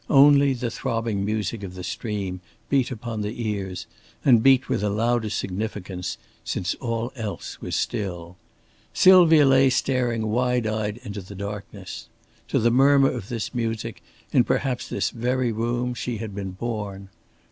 Only the throbbing music of the stream beat upon the ears, and beat with a louder significance, since all else was still. Sylvia lay staring wide eyed into the darkness. To the murmur of this music, in perhaps this very room, she had been born.